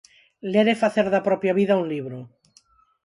Ler e facer da propia vida un libro.